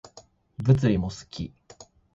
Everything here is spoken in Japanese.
物理も好き